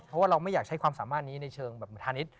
เพราะว่าเราไม่อยากใช้ความสามารถนี้ในเชิงแบบธานิษฐ